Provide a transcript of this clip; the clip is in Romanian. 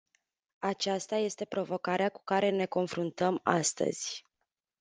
Aceasta este provocarea cu care ne confruntăm astăzi.